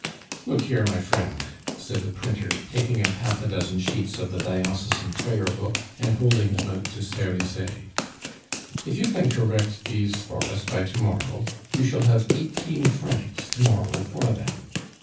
"Look here, my friend," said the printer, taking up half a dozen sheets of the diocesan prayer book and holding them out to Cerizet, "if you can correct these for us by to morrow, you shall have eighteen francs to morrow for them.